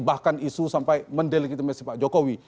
bahkan isu sampai mendelegitimasi pak jokowi